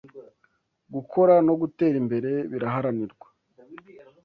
gukora no gutera imbere biraharanirwa